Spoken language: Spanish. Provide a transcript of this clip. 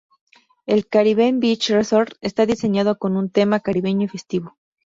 El Caribbean Beach Resort está diseñado con un tema Caribeño y festivo.